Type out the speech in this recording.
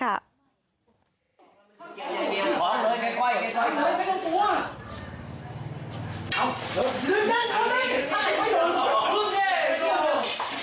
เอาเอาได้มาดู